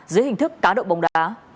dưới hình thức cá độ bồng đá